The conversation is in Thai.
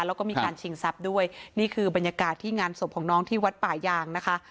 แล้วก็มีการชิงทรัพย์ด้วยนี่คือบรรยากาศที่งานศพของน้องที่วัดป่ายางนะคะ